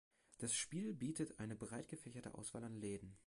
Das Spiel bietet eine breit gefächerte Auswahl an Läden.